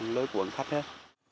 lối của khách hết